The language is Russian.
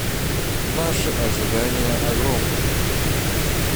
Наши ожидания огромны.